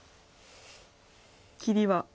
切りは。